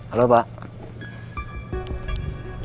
apa yang terjadi